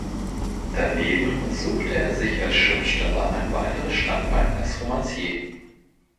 Daneben suchte er sich als Schriftsteller ein weiteres Standbein als Romancier.